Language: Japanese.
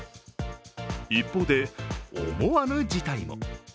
一方で思わぬ事態も。